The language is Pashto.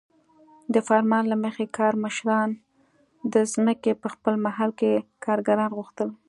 د فرمان له مخې کارمشرانو د ځمکې په خپل محل کې کارګران غوښتل.